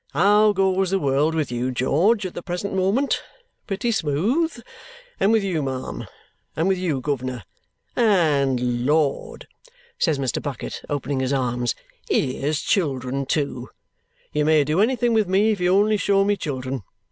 How goes the world with you, George, at the present moment? Pretty smooth? And with you, ma'am? And with you, governor? And Lord," says Mr. Bucket, opening his arms, "here's children too! You may do anything with me if you only show me children.